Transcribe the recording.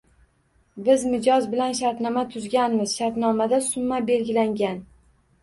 Biz mijoz bilan shartnoma tuzganmiz, shartnomada summa belgilangan.